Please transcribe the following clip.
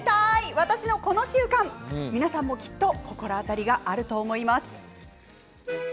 私のこの習慣皆さんもきっと心当たりがあると思います。